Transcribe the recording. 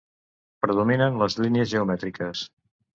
Predominen les línies geomètriques.